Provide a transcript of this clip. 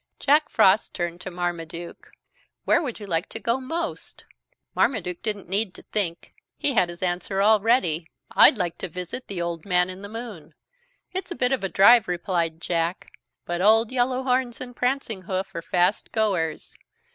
Jack Frost turned to Marmaduke. "Where would you like to go most?" Marmaduke didn't need to think, he had his answer all ready. "I'd like to visit the Old Man in the Moon." "It's a bit of a drive," replied Jack, "but Old Yellow Horns and Prancing Hoof are fast goers.